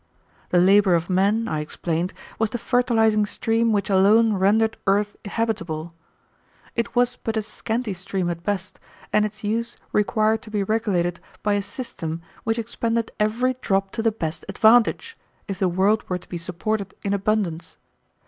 The labor of men, I explained, was the fertilizing stream which alone rendered earth habitable. It was but a scanty stream at best, and its use required to be regulated by a system which expended every drop to the best advantage, if the world were to be supported in abundance.